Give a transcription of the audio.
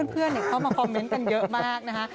เพื่อนเข้ามาคอมเมนต์กันเยอะมากนะคะ